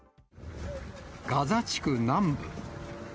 ガザ地区南部。